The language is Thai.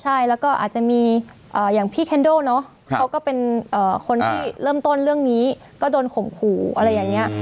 ใช่แล้วก็อาจจะมีอย่างพี่แคนโดเนาะเขาก็เป็นคนที่เริ่มต้นเรื่องนี้ก็โดนข่มขู่อะไรอย่างนี้